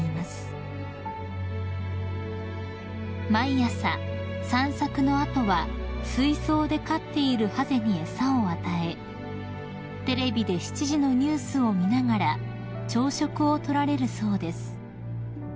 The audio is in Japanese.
［毎朝散策の後は水槽で飼っているハゼに餌を与えテレビで７時のニュースを見ながら朝食を取られるそうです］